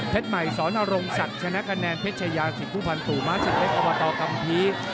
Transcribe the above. เพชรใหม่สอนอารมณ์สัตว์ชนะกระแนนเพชรไชยาสิทธิ์ภูมิพันธุม้าศิเทศอบตกัมภีร์